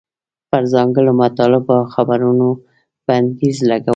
پر ځانګړو مطالبو او خبرونو بندیز لګوي.